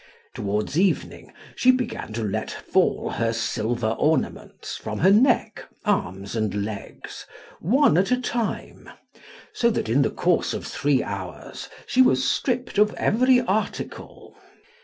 Towards evening she began to let fall her silver ornaments from her neck, arms, and legs, one at a time, so that in the course of three hours she was stripped of every article.